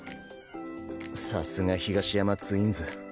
さすが東山ツインズ。